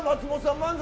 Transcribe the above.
漫才